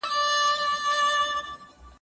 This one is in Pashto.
ګوندې لاره به پیدا کړي تر سحره